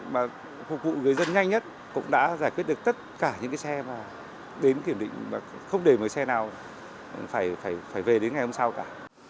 mà phục vụ người dân nhanh nhất cũng đã giải quyết được tất cả những cái xe mà đến kiểm định và không để mà xe nào phải về đến ngày hôm sau cả